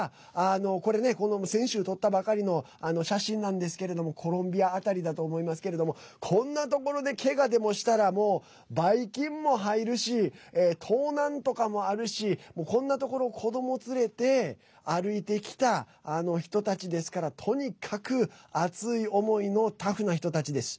これね、先週撮ったばかりの写真なんですけれどもコロンビア辺りだと思いますけれどもこんなところで、けがでもしたらばい菌も入るし盗難とかもあるしこんなところを子ども連れて歩いてきた人たちですからとにかく熱い思いのタフな人たちです。